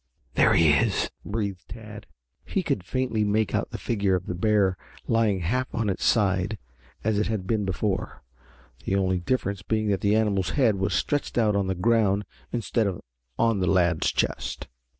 "There he is," breathed Tad. He could faintly make out the figure of the bear lying half on its side as it had been before, the only difference being that the animal's head was stretched out on the ground instead of on the lad's chest.